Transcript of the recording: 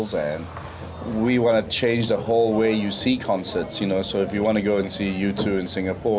jadi jika anda ingin melihat anda juga di singapura